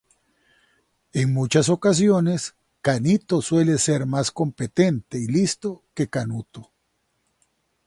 En muchas ocasiones Canito suele ser más competente y listo que Canuto.